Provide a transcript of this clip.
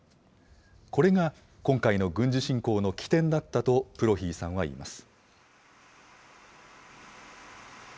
これが今回の軍事侵攻の起点だったとプロヒーさんは言います。